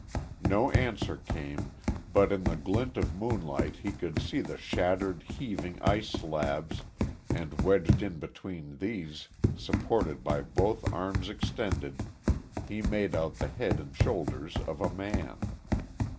No answer came, but in the glint of moonlight he could see the shattered, heaving ice slabs, and wedged in between these, supported by both arms extended, he made out the head and shoulders of a man.